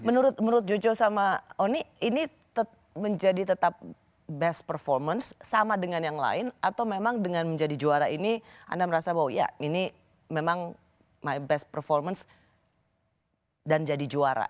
menurut jojo sama oni ini menjadi tetap best performance sama dengan yang lain atau memang dengan menjadi juara ini anda merasa bahwa ya ini memang my best performance dan jadi juara